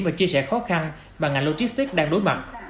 và chia sẻ khó khăn mà ngành logistics đang đối mặt